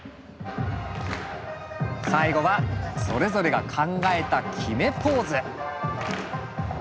最後はそれぞれが考えた決めポーズ。